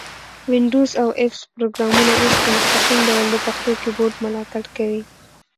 وینډوز او افس پروګرامونه اوس په مستقیم ډول د پښتو کیبورډ ملاتړ کوي.